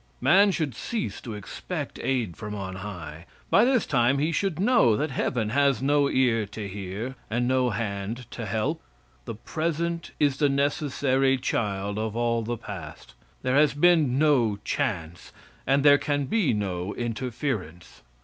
Man should cease to expect aid from on high. By this time he should know that heaven has no ear to hear, and no hand to help. The present is the necessary child of all the past. There has been no chance, and there can be no interference.